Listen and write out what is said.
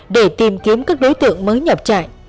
để tìm kiếm các đối tượng mới nhập trại